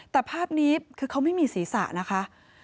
แต่ภาพนี้คือเขาไม่มีศีรษะนะคะ